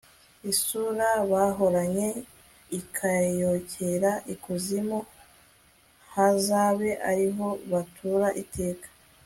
isura bahoranye ikayokera ikuzimu, bazabe ari ho batura iteka